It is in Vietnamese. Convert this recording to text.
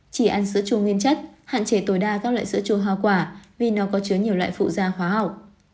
chỉ ăn sữa chua nguyên chất hạn chế tối đa các loại sữa chua hoa quả vì nó có chứa nhiều loại phụ da hóa học